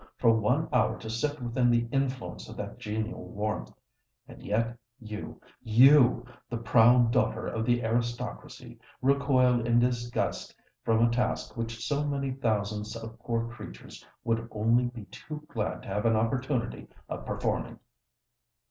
for one hour to sit within the influence of that genial warmth!_' And yet you—you, the proud daughter of the aristocracy—recoil in disgust from a task which so many thousands of poor creatures would only be too glad to have an opportunity of performing!"